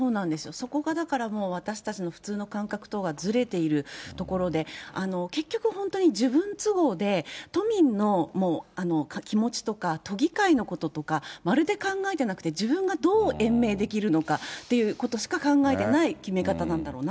そこがだから、私たちの普通の感覚とはずれているところで、結局、本当に自分都合で、都民の気持ちとか都議会のこととかまるで考えてなくて、自分がどう延命できるのかということしか考えてない決め方なんだ